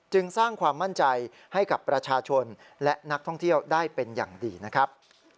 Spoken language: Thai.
สร้างความมั่นใจให้กับประชาชนและนักท่องเที่ยวได้เป็นอย่างดีนะครับ